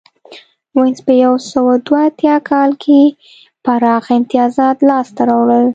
وینز په یو سوه دوه اتیا کال کې پراخ امتیازات لاسته راوړل